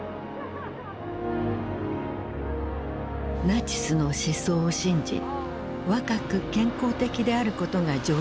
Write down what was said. ナチスの思想を信じ若く健康的であることが条件だった。